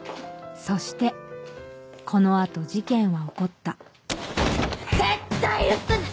そしてこの後事件は起こった絶対許せねえ！